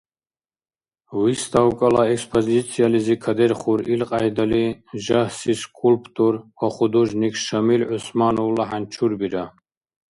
Выставкала экспозициялизи кадерхур илкьяйдали жагьси скульптор ва художник Шамил ГӀусмановла хӀянчурбира.